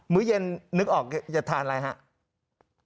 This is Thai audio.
ื้อเย็นนึกออกจะทานอะไรครับ